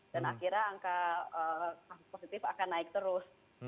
dan akhirnya angka positif akan naik terus